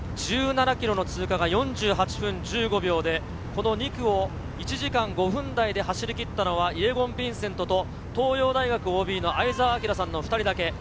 １７キロの通過が４８分１５秒で、この２区を１時間５分台で走り切ったのは、イェゴン・ヴィンセントと、東洋大学ＯＢの相澤晃さんの２人だけ。